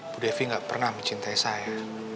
bu devi gak pernah mencintai saya